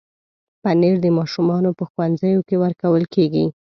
پنېر د ماشومانو په ښوونځیو کې ورکول کېږي.